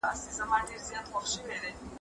د پيغمبر مبارک ویناوې لاره ښوونکې دي.